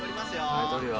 はい撮るよ。